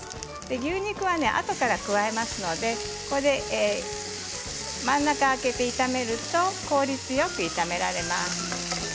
牛肉は、あとから加えますので真ん中を空けて炒めると効率よく炒められます。